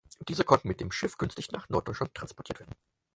Diese konnten mit dem Schiff günstig nach Norddeutschland transportiert werden.